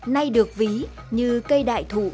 nay được ví như cây đại thụ